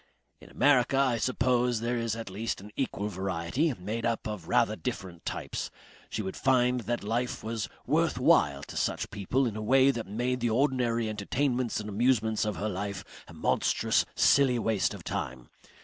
"In America I suppose there is at least an equal variety, made up of rather different types. She would find that life was worth while to such people in a way that made the ordinary entertainments and amusements of her life a monstrous silly waste of time.